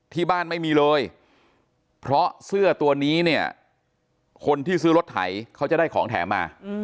ที่บ้านไม่มีเลยเพราะเสื้อตัวนี้เนี่ยคนที่ซื้อรถไถเขาจะได้ของแถมมา